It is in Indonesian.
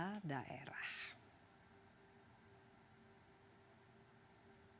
di seluruh indonesia ini berlangsung untuk dua ratus empat puluh tujuh pemilihan kepala daerah